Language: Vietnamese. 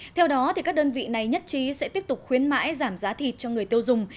theo đó các đơn vị này nhất trí sẽ tiếp tục khuyến mãi giảm giá thịt cho người tiêu dùng